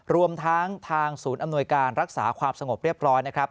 รวมทั้งทางศูนย์อำนวยการรักษาความสงบเรียบร้อยนะครับ